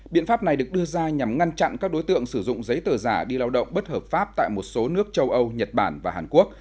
biện pháp này được đưa ra nhằm ngăn chặn các đối tượng sử dụng giấy tờ giả đi lao động bất hợp pháp tại một số nước châu âu nhật bản và hàn quốc